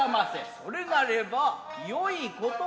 それなればよいことがある。